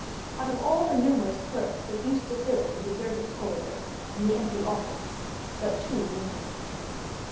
Out of all the numerous clerks that used to fill the deserted corridor and the empty office, but two remained.